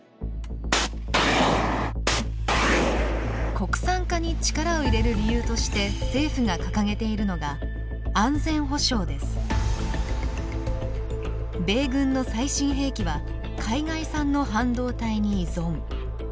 国産化に力を入れる理由として政府が掲げているのが米軍の最新兵器は海外産の半導体に依存。